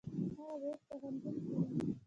هغه به اوس پوهنتون کې وي.